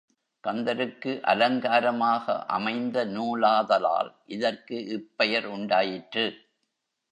கந்தருக்கு அலங்காரமாக அமைந்த நூலாதலால் இதற்கு இப்பெயர் உண்டாயிற்று.